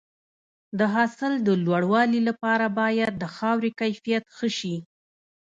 د حاصل د لوړوالي لپاره باید د خاورې کیفیت ښه شي.